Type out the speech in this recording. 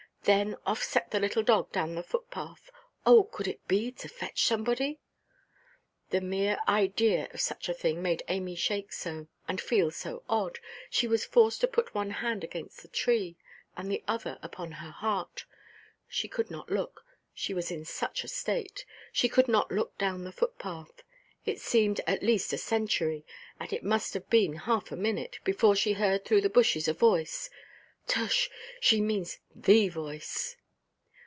Then off set the little dog down the footpath. Oh, could it be to fetch somebody? The mere idea of such a thing made Amy shake so, and feel so odd, she was forced to put one hand against the tree, and the other upon her heart. She could not look, she was in such a state; she could not look down the footpath. It seemed, at least, a century, and it may have been half a minute, before she heard through the bushes a voice—tush, she means the voice.